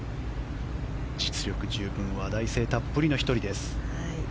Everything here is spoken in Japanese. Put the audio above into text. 実力十分話題性たっぷりの１人です。